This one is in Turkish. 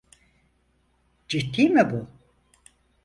Ciddi mi bu?